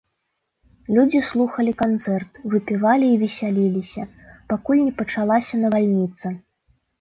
Людзі слухалі канцэрт, выпівалі і весяліліся, пакуль не пачалася навальніца.